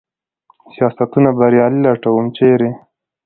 سیاستونه بریالي لټوم ، چېرې ؟